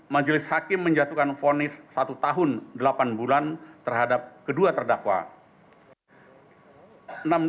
majelis hakim menjatuhkan fonis satu tahun delapan bulan terhadap kedua terdakwa